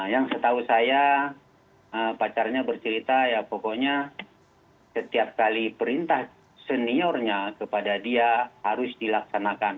yang setahu saya pacarnya bercerita ya pokoknya setiap kali perintah seniornya kepada dia harus dilaksanakan